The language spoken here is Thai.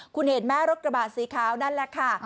คุณเห็นไหมรถกระบะสีขาวนั่นแหละค่ะ